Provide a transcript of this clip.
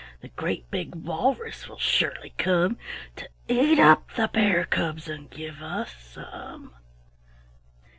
The great big walrus will surely come To eat up the bear cubs and give us some."